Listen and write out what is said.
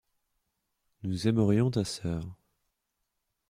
Nous aimerions ta sœur.